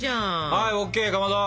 はいＯＫかまど！